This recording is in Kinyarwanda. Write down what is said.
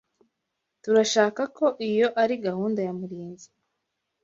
Turashaka ko iyo ari gahunda ya Murinzi.